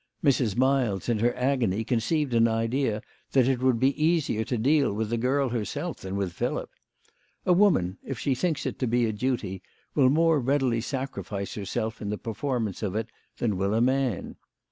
Mrs. Miles, in her agony, conceived an idea that it would be easier to deal with the girl herself than with Philip. A woman, if she thinks it to be a duty, will more readily sacrifice herself in the per formance of it than will a man.